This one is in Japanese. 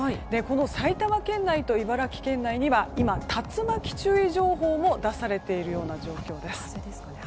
埼玉県内と茨城県内には今、竜巻注意情報も出されている状況です。